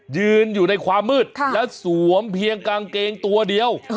ยืนอยู่ในความมืดและสวมเพียงกางเกงตัวเดียว